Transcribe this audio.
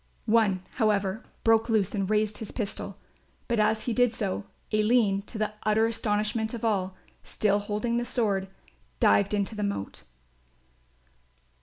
One, however, broke loose and raised his pistol; but as he did so, Aline, to the utter astonishment of all, still holding the sword, dived into the moat.